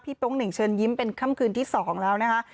โป๊งเหน่งเชิญยิ้มเป็นค่ำคืนที่๒แล้วนะคะ